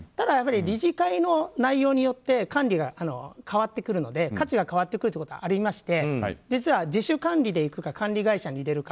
理事会の内容によって管理が変わってくるので価値が変わってくることはありまして実は自主管理でいくか管理会社にいれるか。